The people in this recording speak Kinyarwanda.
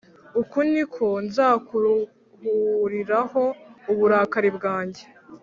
Uku ni ko nzakuruhuriraho uburakari bwanjye